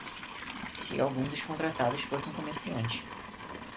Se algum dos contratados fosse um comerciante.